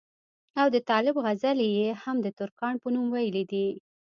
او د طالب غزلې ئې هم دترکاڼ پۀ نوم وئيلي دي